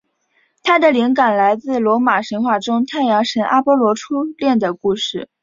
它的灵感来自罗马神话中太阳神阿波罗的初恋故事。